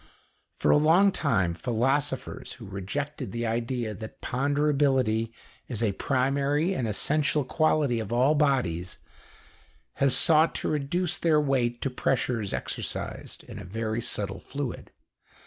For a long time, philosophers who rejected the idea that ponderability is a primary and essential quality of all bodies have sought to reduce their weight to pressures exercised in a very subtle fluid.